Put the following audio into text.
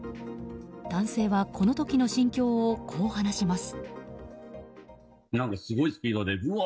男性はこの時の心境をこう話します。